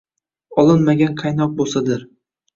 Olinmagan qaynoq boʼsadir.